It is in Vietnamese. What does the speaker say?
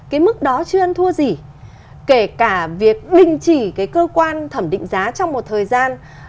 cái mức đó chưa ăn thua gì kể cả việc đình chỉ cái cơ quan thẩm định giá trong một thời gian